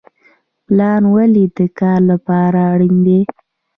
پلان ولې د کار لپاره اړین دی؟